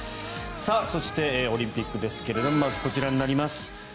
そしてオリンピックですがまずこちらになります。